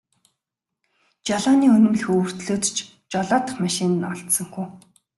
Жолооны үнэмлэх өвөртлөөд ч жолоодох машин нь олдсонгүй.